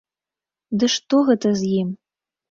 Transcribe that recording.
Ды што гэта з ім?